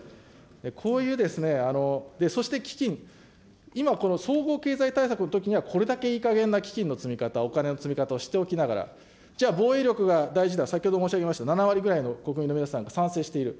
こういう、今、総合経済対策のときには、これだけいいかげんな基金の積み方、お金の積み方をしておきながら、じゃあ、防衛力が大事だ、先ほど申し上げました、７割ぐらいの国民の皆さんが賛成している。